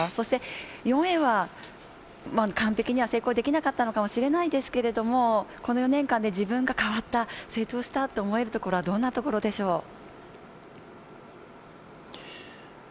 そして、４Ａは完璧には成功できなかったのかもしれないですけれども、この４年間で自分で変わった成長したって思えるところはどんなとこでしょう？